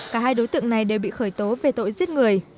cả hai đối tượng này đều bị khởi tố về tội giết người